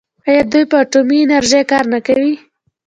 آیا دوی په اټومي انرژۍ کار نه کوي؟